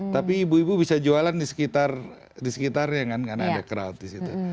tapi ibu ibu bisa jualan di sekitarnya kan karena ada crowd di situ